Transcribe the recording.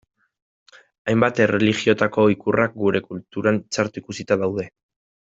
Hainbat erlijiotako ikurrak gure kulturan txarto ikusita daude.